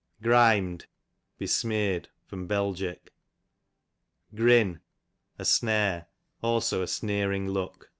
Grim'd, besmear'd. Bel. Grin, a snare ; also a sneering look.